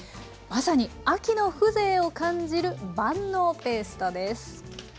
まさに秋の風情を感じる万能ペーストです。